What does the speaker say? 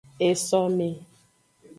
Esome.